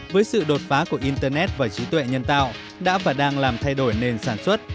với sự đột phá của internet và trí tuệ nhân tạo đã và đang làm thay đổi nền sản xuất